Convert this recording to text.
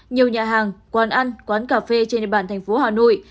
nhiều nhà hàng quán ăn quán cà phê trên địa bàn thành phố hà nội